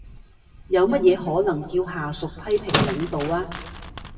有乜嘢可能叫下屬批評領導呀？